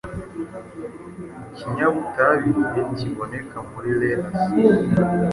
Ikinyabutabire kiboneka muri lettuce